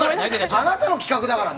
あなたの企画だからね。